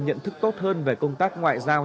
nhận thức tốt hơn về công tác ngoại giao